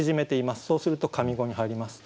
そうすると上五に入ります。